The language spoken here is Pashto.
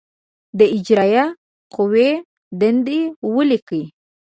د اجرائیه قوې دندې ولیکئ.